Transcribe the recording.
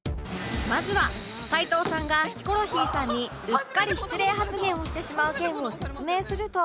まずは齊藤さんがヒコロヒーさんにうっかり失礼発言をしてしまう件を説明すると